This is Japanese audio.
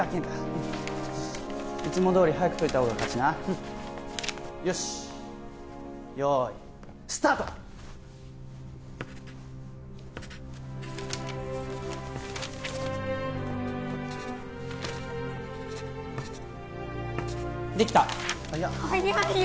うんいつもどおりはやく解いた方が勝ちなよしっ用意スタートできたはやっはやいよ